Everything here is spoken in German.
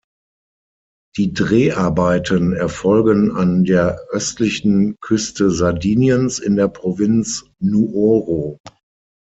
Die Dreharbeiten erfolgen an der östlichen Küste Sardiniens in der Provinz Nuoro.